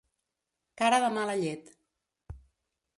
Cara de mala llet.